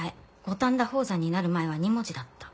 五反田宝山になる前は２文字だった。